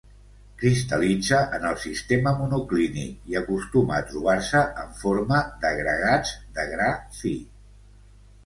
Cristal·litza en el sistema monoclínic, i acostuma a trobar-se en forma d'agregats de gra fi.